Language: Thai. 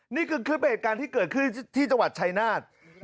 นี่คือคลิปเหตุการณ์ที่เกิดขึ้นที่จังหวัดชายนาฏ